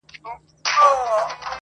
له دې غمه همېشه یمه پرېشانه٫